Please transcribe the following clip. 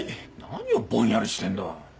何をぼんやりしてんだ。